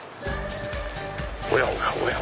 おやおや！